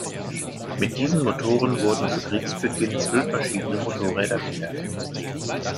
Mit diesen Motoren wurden zu Kriegsbeginn zwölf verschiedene Motorräder gefertigt.